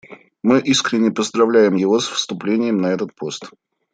Мы искренне поздравляем его с вступлением на этот пост.